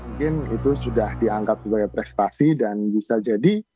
mungkin itu sudah dianggap sebagai prestasi dan bisa jadi